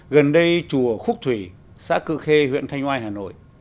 gần đây chùa khúc thủy xã cư khê huyện thanh oai hà nội